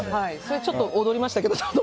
ちょっと踊りましたけど。